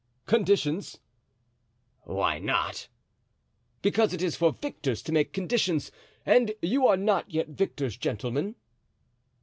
"Conditions?" "Why not?" "Because it is for victors to make conditions, and you are not yet victors, gentlemen."